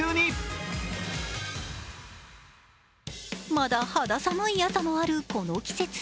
まだ肌寒い朝もあるこの季節。